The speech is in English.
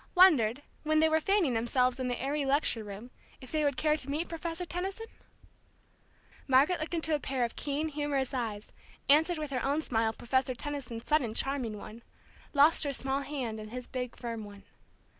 wondered, when they were fanning themselves in the airy lecture room, if they would care to meet Professor Tension? Margaret looked into a pair of keen, humorous eyes, answered with her own smile Professor Tension's sudden charming one, lost her small hand in his big firm one.